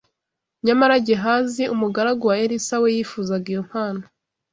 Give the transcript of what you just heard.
Nyamara Gehazi, umugaragu wa Elisa we yifuzaga iyo mpano